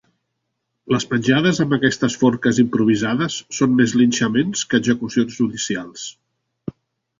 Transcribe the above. Les penjades amb aquestes forques improvisades són més linxaments que execucions judicials.